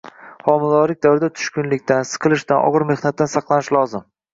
Homiladorlik davrida tushkunlikdan, siqilishdan, og‘ir mehnatdan saqlanish lozim.